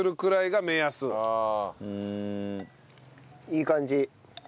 いい感じ。